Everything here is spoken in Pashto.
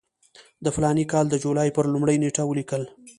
د فلاني کال د جولای پر لومړۍ نېټه ولیکل.